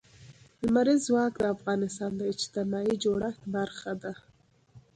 لمریز ځواک د افغانستان د اجتماعي جوړښت برخه ده.